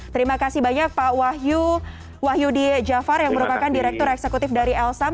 terima kasih banyak pak wahyu wahyu d jafar yang merupakan direktur eksekutif dari elsam